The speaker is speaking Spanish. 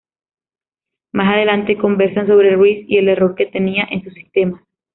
Más adelante conversan sobre Reese y el error que tenía en sus sistemas.